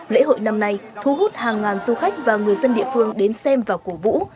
lễ hội năm nay thu hút hàng ngàn du khách và người dân địa phương đến xem và cổ vũ